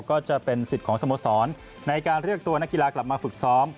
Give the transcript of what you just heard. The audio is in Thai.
ก็จะเป็นสิทธิ์ของสโมสรในการเรียกตัวนักกีฬากลับมาฝึกซ้อม